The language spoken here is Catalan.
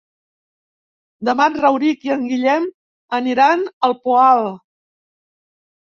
Demà en Rauric i en Guillem aniran al Poal.